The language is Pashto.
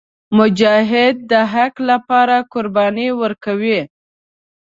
مجاهد د حق لپاره قرباني ورکوي.